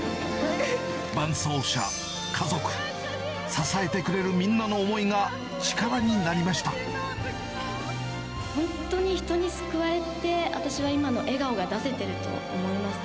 伴走者、家族、支えてくれる本当に人に救われて、私は今の笑顔が出せていると思います。